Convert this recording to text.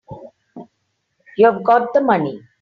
You've got the money.